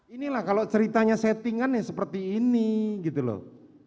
inilah kalau ceritanya settingan ya seperti ini gitu loh